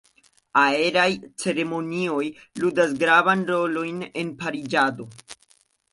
Aeraj ceremonioj ludas gravan rolon en pariĝado.